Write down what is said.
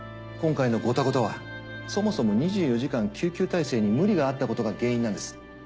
今回のゴタゴタはそもそも２４時間救急体制に無理があったことが原因なんです。